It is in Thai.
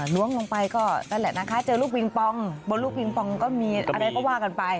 ล้วงลงไปก็เจอลูกวิงปองบนลูกวิงปองก็มีอะไรก็ว่ากันไป